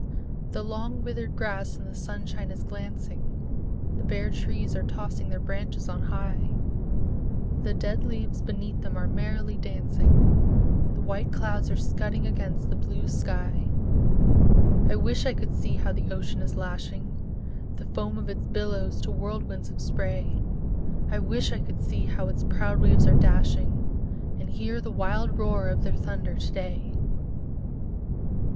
The long withered grass in the sunshine is glancing, The bare trees are tossing their branches on high; The dead leaves beneath them are merrily dancing, The white clouds are scudding across the blue sky I wish I could see how the ocean is lashing The foam of its billows to whirlwinds of spray; I wish I could see how its proud waves are dashing, And hear the wild roar of their thunder to day!